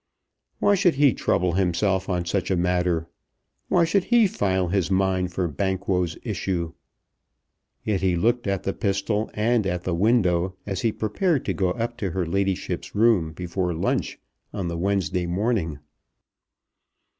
Why should he trouble himself on such a matter? Why should he file his mind for Banquo's issue? Yet he looked at the pistol and at the window as he prepared to go up to her ladyship's room before lunch on the Wednesday morning.